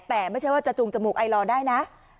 แต่ไม่ใช่ว่าจะจูงจมูกไอลอร์ได้นะ